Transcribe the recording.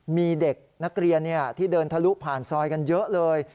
มีเด็กนักเรียนที่เดินทะลุผ่านซอยกันเยอะเลย